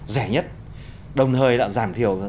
rẻ nhất đồng thời giảm thiểu